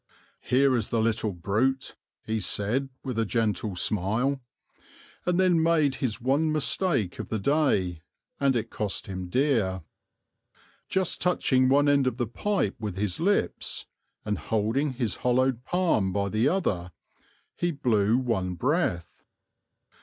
"Here is the little brute," he said, with a gentle smile and then made his one mistake of the day, and it cost him dear. Just touching one end of the pipe with his lips, and holding his hollowed palm by the other end, he blew one breath.